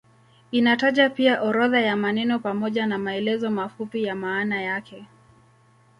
Inataja pia orodha ya maneno pamoja na maelezo mafupi ya maana yake.